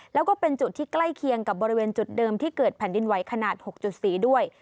แล้วก็เป็นจุดที่ใกล้เคียงกับบริเวณจุดเดิมที่เกิดแผ่นดินไหวขนาด๖๔ด้วย